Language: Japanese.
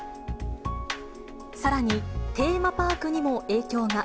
さらに、テーマパークにも影響が。